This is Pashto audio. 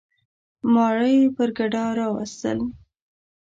ماره یي پر ګډا راوستل.